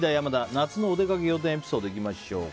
夏のおでかけ仰天エピソードをいきましょう。